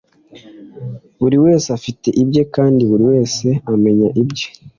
buri wese afite ibye kandi buri wese amenya ibye